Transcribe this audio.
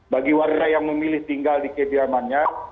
bagi warga yang memilih tinggal di kediamannya